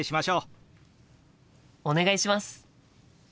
お願いします。